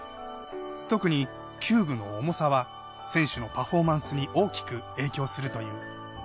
特に弓具の重さは選手のパフォーマンスに大きく影響するという。